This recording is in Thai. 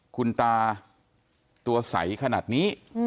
คุณตาตัวใสขนาดนี้